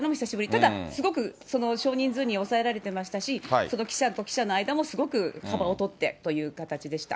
ただ、すごく少人数に抑えられてましたし、記者と記者の間も、すごく幅を取ってという形でした。